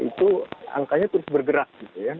itu angkanya terus bergerak gitu ya